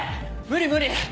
無理無理！